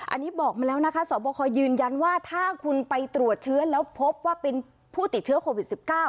อันนี้บอกมาแล้วนะคะสอบคอยืนยันว่าถ้าคุณไปตรวจเชื้อแล้วพบว่าเป็นผู้ติดเชื้อโควิด๑๙